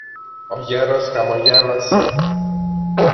Ο γέρος χαμογέλασε